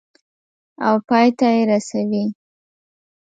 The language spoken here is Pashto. او پای ته یې رسوي.